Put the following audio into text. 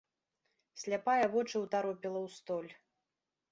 Сляпая вочы ўтаропіла ў столь.